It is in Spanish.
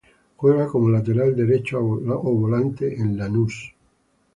Juega como lateral derecho o volante en Lanús.